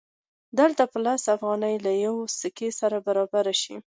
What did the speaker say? دلته به لس افغانۍ له یوې سکې سره برابرې شي